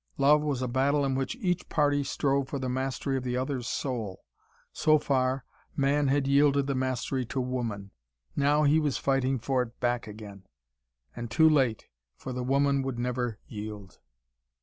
Love was a battle in which each party strove for the mastery of the other's soul. So far, man had yielded the mastery to woman. Now he was fighting for it back again. And too late, for the woman would never yield.